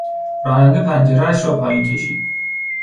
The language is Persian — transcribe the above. راننده پنجرهاش را پایین کشید.